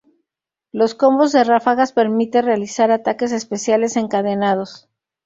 Los Combos de Ráfagas permite realizar ataques especiales encadenados.